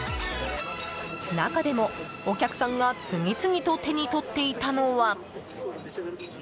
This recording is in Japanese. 中でも、お客さんが次々と手にとっていたのは。